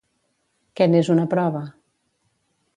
Què n'és una prova?